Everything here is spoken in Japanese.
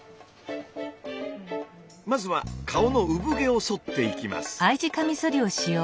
まずは顔の産毛をそっていきます。